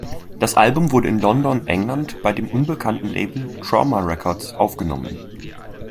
Das Album wurde in London, England bei dem unbekannten Label Trauma Records aufgenommen.